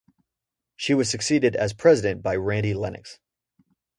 She was succeeded as president by Randy Lennox.